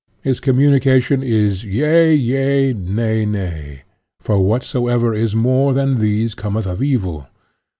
" His communication is ' yea, yea ; nay, nay ;' for whatsoever is more than these cometh of evil."